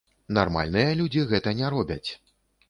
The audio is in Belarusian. Нармальныя людзі гэта не робяць.